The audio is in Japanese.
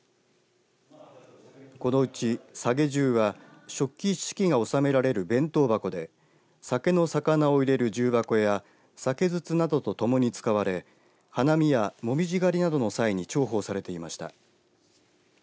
このうち提重は食器一式が収められる弁当箱で酒のさかなを入れる重箱や酒筒などと、ともに使われ花見や紅葉狩りなどの際に重宝されていました。